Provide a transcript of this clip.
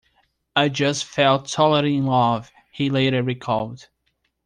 "I just fell totally in love," he later recalled.